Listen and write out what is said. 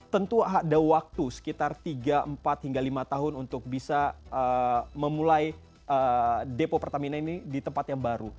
tentu ada waktu sekitar tiga empat hingga lima tahun untuk bisa memulai depo pertamina ini di tempat yang baru